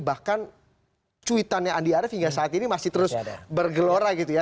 bahkan cuitannya andi arief hingga saat ini masih terus bergelora gitu ya